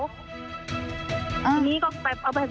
แล้วทีนี้เขาก็เอาไปบ้านแฟนเขา